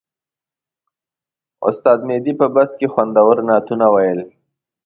استاد مهدي په بس کې خوندور نعتونه وویل.